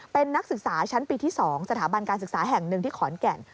เป็นนักศึกษาชั้นปีที่๒สถาบันการศึกษาแห่งหนึ่งที่ขอนแก่น